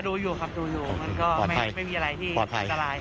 ดูอยู่บ้างไม่มีอะไรที่กระดาย